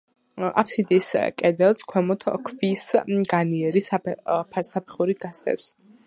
აფსიდის კედელს, ქვემოთ, ქვის განიერი საფეხური გასდევს.